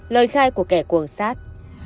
lời khai của kẻ cuồng sát